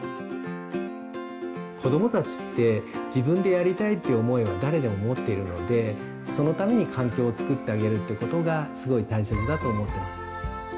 子どもたちって「自分で」やりたいっていう思いは誰でも持っているのでそのために環境を作ってあげるってことがすごい大切だと思ってます。